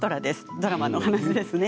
ドラマの話ですね。